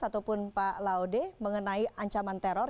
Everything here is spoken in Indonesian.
ataupun pak laude mengenai ancaman teror